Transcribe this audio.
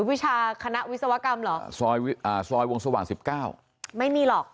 วิชาคณะวิศวกรรมเหรอซอยอ่าซอยวงสว่างสิบเก้าไม่มีหรอก